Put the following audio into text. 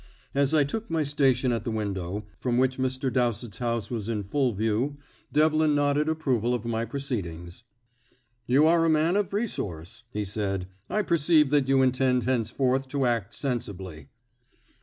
As I took my station at the window, from which Mr. Dowsett's house was in full view, Devlin nodded approval of my proceedings. "You are a man of resource," he said. "I perceive that you intend henceforth to act sensibly."